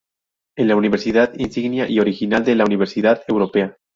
Es la universidad insignia y original de la Universidad Europea.